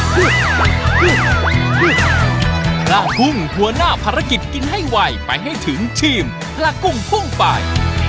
พระกุ้งหัวหน้าภารกิจกินให้ไวไปให้ถึงทีมปลากุ้งพุ่งไป